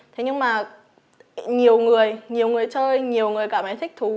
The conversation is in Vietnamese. thế nhưng mà nhiều người nhiều người chơi nhiều người cảm thấy thích thú